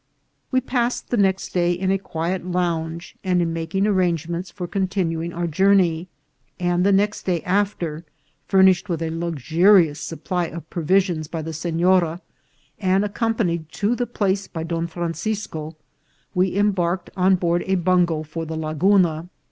We passed the next day in a quiet lounge and in A BUNGO. 381 making arrangements for continuing our journey, and the next day after, furnished with a luxurious supply of provisions by the senora, and accompanied to the place by Don Francisco, we embarked on board a bungo for the Laguna.